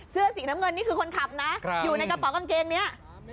เสื้อสีน้ำเงินนี่คือคนขับนะอยู่ในกระเป๋ากางเกงนี้